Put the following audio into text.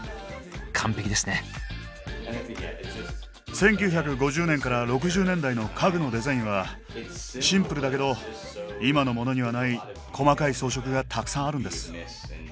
１９５０年から６０年代の家具のデザインはシンプルだけど今のモノにはない細かい装飾がたくさんあるんです。